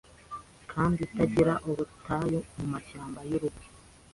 kandi itagira ubutayu Mu mashyamba yurupfu